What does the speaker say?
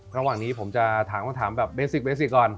ระหว่างนี้ผมจะถามคำถามแบบเบสิกเบสิกก่อน